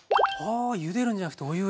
ゆでるんじゃなくてお湯を入れる。